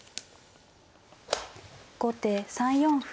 後手３四歩。